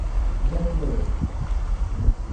Get Low